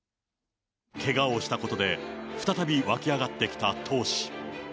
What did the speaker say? けがをしたことで、再び湧き上がってきた闘志。